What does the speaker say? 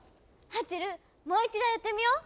ハッチェルもう一度やってみよう。